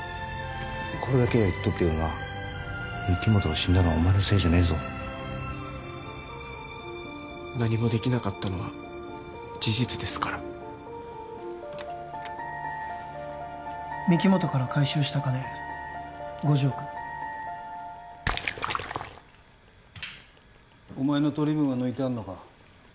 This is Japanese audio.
これだけは言っとくけどな御木本が死んだのはお前のせいじゃねえぞ何もできなかったのは事実ですから御木本から回収した金５０億お前の取り分は抜いてあんのか？